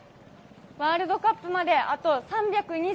ワールドカップまであと３２８日。